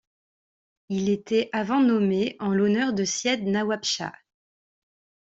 Il était avant nommé en l'honneur de Syed Nawabshah.